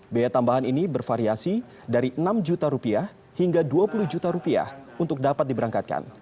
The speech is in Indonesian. biaya tambahan ini bervariasi dari enam juta rupiah hingga dua puluh juta rupiah untuk dapat diberangkatkan